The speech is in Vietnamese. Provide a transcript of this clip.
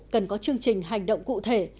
cần có chương trình hành động cụ thể